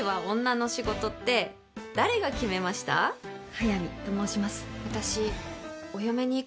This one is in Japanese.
「速見と申します」